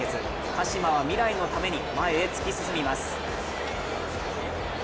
鹿島は未来のために前へ突き進みます。